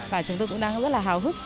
và chúng tôi cũng đang rất là hào hức